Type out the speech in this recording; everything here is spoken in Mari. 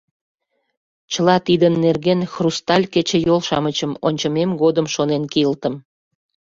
Чыла тидын нерген хрусталь кечыйол-шамычым ончымем годым шонен кийылтым.